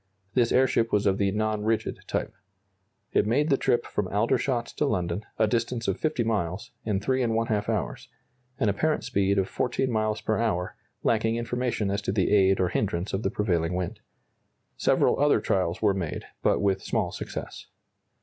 This airship was of the non rigid type. It made the trip from Aldershot to London, a distance of 50 miles, in 3½ hours an apparent speed of 14 miles per hour, lacking information as to the aid or hindrance of the prevailing wind. Several other trials were made, but with small success.